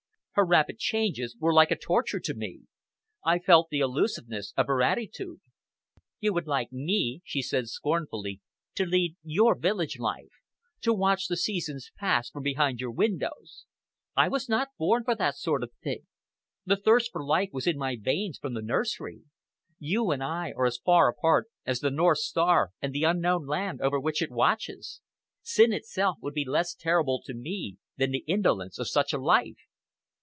Her rapid changes were a torture to me! I felt the elusiveness of her attitude. "You would like me," she said scornfully, "to lead your village life, to watch the seasons pass from behind your windows. I was not born for that sort of thing! The thirst for life was in my veins from the nursery. You and I are as far apart as the North Star and the unknown land over which it watches! Sin itself would be less terrible to me than the indolence of such a life!"